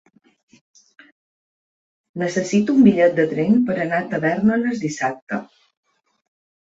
Necessito un bitllet de tren per anar a Tavèrnoles dissabte.